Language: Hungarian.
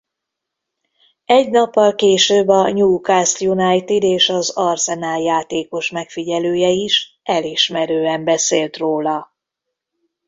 Egy nappal később a Newcastle United és az Arsenal játékosmegfigyelője is elismerően beszélt róla.